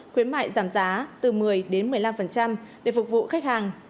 khuyến mại giảm giá từ một mươi đến một mươi năm để phục vụ khách hàng